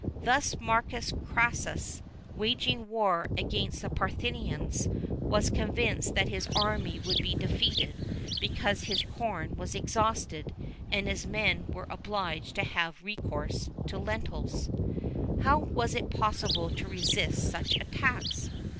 Thus Marcus Crassus, waging war against the Parthians, was convinced that his army would be defeated, because his corn was exhausted, and his men were obliged to have recourse to lentils.[VIII 42] How was it possible to resist such attacks!